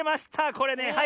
これねはい。